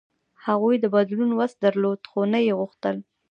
هغوی د بدلون وس درلود، خو نه یې غوښتل.